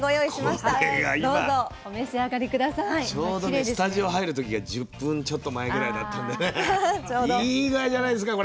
ちょうどねスタジオ入る時が１０分ちょっと前ぐらいだったんでいい具合じゃないですかこれ。